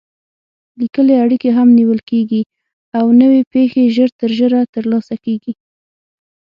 لیکلې اړیکې هم نیول کېږي او نوې پېښې ژر تر ژره ترلاسه کېږي.